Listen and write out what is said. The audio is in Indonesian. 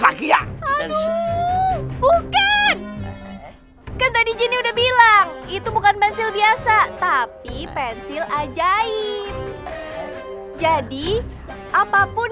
kahiyang bukan kan tadi jenny udah bilang itu bukan pensil biasa tapi pensil ajaib jadi apapun